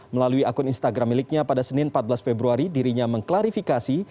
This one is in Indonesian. melalui akun instagram miliknya pada senin empat belas februari dirinya mengklarifikasi